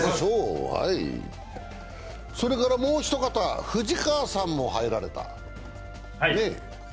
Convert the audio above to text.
それからもう一方、藤川さんも入られた。